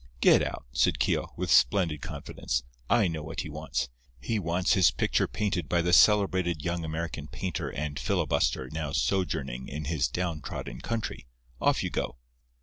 "Get out!" said Keogh, with splendid confidence. "I know what he wants. He wants his picture painted by the celebrated young American painter and filibuster now sojourning in his down trodden country. Off you go."